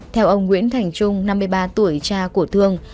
theo ông nguyễn thành trung năm mươi ba tuổi cha của thương